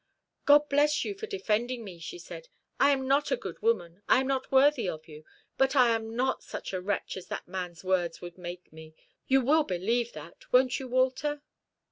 "God bless you for defending me," she said. "I am not a good woman, I am not worthy of you, but I am not such a wretch as that man's words would make me. You will believe that won't you, Walter?"